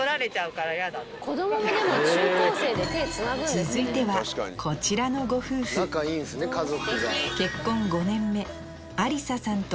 続いてはこちらのご夫婦うわ！